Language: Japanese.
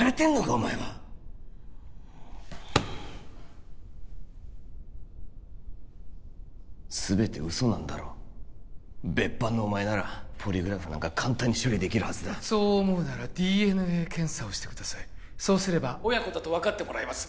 お前は全て嘘なんだろ別班のお前ならポリグラフなんか簡単に処理できるはずだそう思うならＤＮＡ検査をしてくださいそうすれば親子だと分かってもらえます